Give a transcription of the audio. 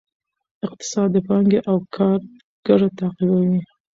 اقتصاد د پانګې او کار ګټه تعقیبوي.